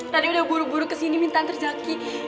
nenek udah buru buru kesini mintaan terzaki